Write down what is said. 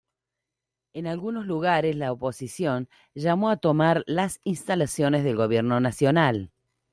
En algunos lugares la oposición llamó a tomar las instalaciones del gobierno nacional.